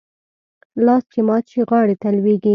لاس چې مات شي ، غاړي ته لوېږي .